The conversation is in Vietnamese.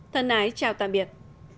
thân ái chào tạm biệt